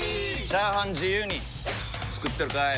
チャーハン自由に作ってるかい！？